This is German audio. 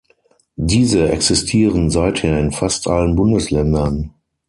Diese existieren seither in fast allen Bundesländern.